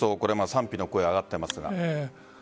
賛否の声が上がっていますが。